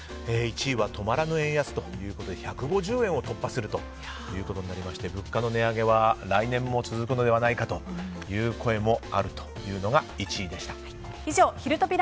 １位は止まらぬ円安ということで１５０円を突破するということになりまして物価の値上げは来年も続くのではという声もあるというのが以上ひるトピ！